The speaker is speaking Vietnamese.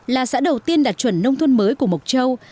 là xã đầu tiên đạt chuẩn nông thôn mới của mộc châu